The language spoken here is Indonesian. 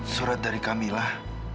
surat dari kamil ah